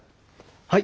はい。